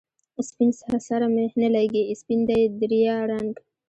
سپين سره می نه لګي، سپین دی د ریا رنګ